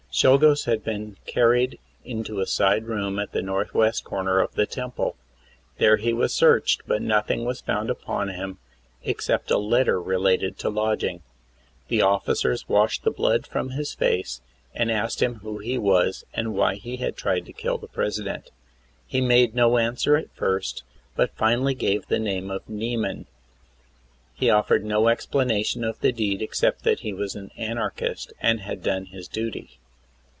Czolgosz had been carried into a side room at the northwest corner of the Temple. There he was searched, but nothing was found upon him except a letter relating to lodging. The officers washed the blood from his face and asked him who he was and why he had tried to kill the President. He made no answer at first, but finally gave the name of Nieman. He offered no ex planation of the deed except that he was an Anarchist and had done his duty.